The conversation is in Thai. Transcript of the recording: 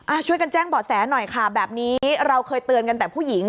ช่วยกันแจ้งเบาะแสหน่อยค่ะแบบนี้เราเคยเตือนกันแต่ผู้หญิง